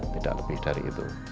tidak lebih dari itu